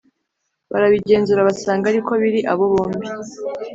Barabigenzura basanga ari ko biri abo bombi